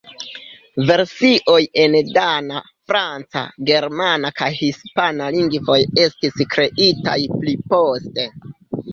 Versioj en dana, franca, germana kaj hispana lingvoj estis kreitaj pli poste.